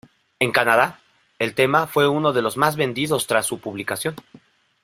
En Canadá, el tema fue uno de los más vendidos tras su publicación.